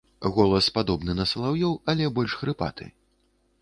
Голас падобны на салаўёў, але больш хрыпаты.